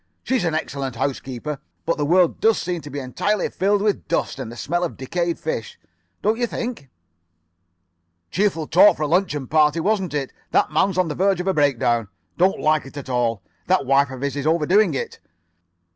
She's an excellent housekeeper. But the world does seem to be [Pg 68]entirely filled with dust, and the smell of decayed fish, don't you think?' "Cheerful talk for a luncheon party, wasn't it? That man's on the verge of a breakdown. Don't like it at all. That wife of his is overdoing it.